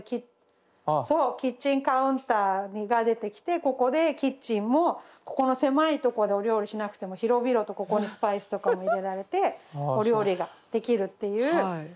そうキッチンカウンターが出てきてここでキッチンもここの狭いとこでお料理しなくても広々とここにスパイスとかも入れられてお料理ができるっていう。